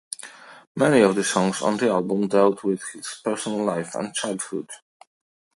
Many of the songs on the album dealt with his personal life and childhood.